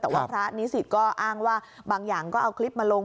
แต่ว่าพระนิสิตก็อ้างว่าบางอย่างก็เอาคลิปมาลง